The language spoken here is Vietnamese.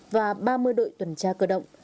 và ba mươi đội tuần tra cơ động